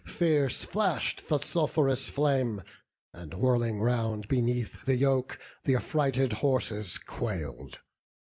Fierce flash'd the sulph'rous flame, and whirling round Beneath the yoke th' affrighted horses quailed.